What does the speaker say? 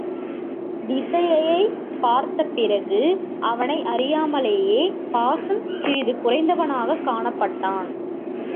விசயையைப் பார்த்த பிறகு அவனை அறியாமலேயே பாசம் சிறிது குறைந்தவனாகக் காணப் பட்டான்.